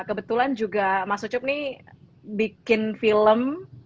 kebetulan juga mas ucup nih bikin film